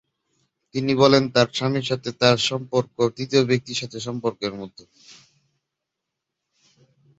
তিনি বলেন, তার স্বামীর সাথে তার সম্পর্ক তৃতীয় ব্যক্তির সাথে সম্পর্কের মতো।